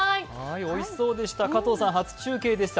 おいしそうでした、加藤さん、発表中継でした。